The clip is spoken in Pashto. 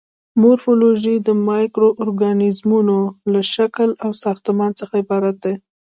مورفولوژي د مایکرو ارګانیزمونو له شکل او ساختمان څخه عبارت دی.